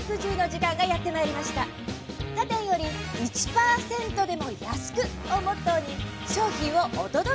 「他店より１％でも安く」をモットーに商品をおとどけ。